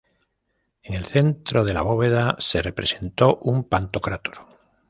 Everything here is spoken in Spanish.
En el centro de la bóveda se representó un Pantocrátor.